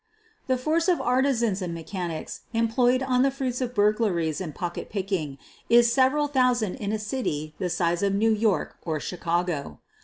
The force of artisans and mechanics employed on the fruits of burglaries and pocket picking is sev eral thousand in a city the size of New York or Chi cago.